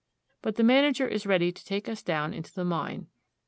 But the manager is ready to take us down into the mine.